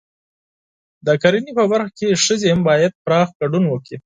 د کرنې په برخه کې ښځې هم باید پراخ ګډون وکړي.